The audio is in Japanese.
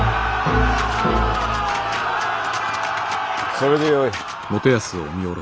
それでよい。